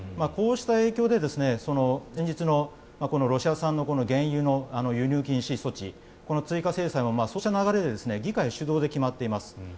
こうした影響で先日のロシア産の原油の輸入禁止措置、追加制裁もそうした流れで議会主導で決まっています。